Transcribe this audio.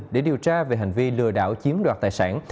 để điều tra về hành vi lừa đảo chiếm đoạt tài sản